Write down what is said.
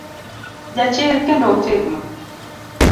Jachir, kendo otegno.